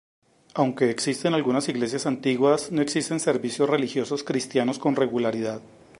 Aunque existen algunas iglesias antiguas, no existen servicios religiosos cristianos con regularidad.